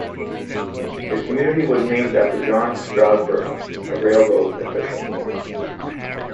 The community was named after John Strasburg, a railroad official.